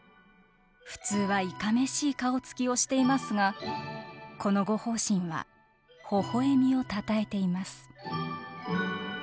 普通はいかめしい顔つきをしていますがこの護法神はほほえみをたたえています。